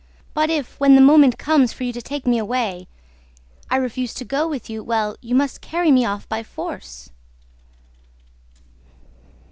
But, if, when the moment comes for you to take me away, I refuse to go with you well you must carry me off by force!"